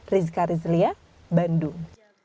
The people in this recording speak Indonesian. rizka rizlia bandung